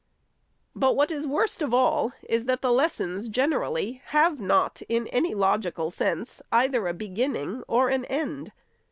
But what is worst of all is, that the lessons, gen erally, have not, in any logical sense, either a beginning or an end.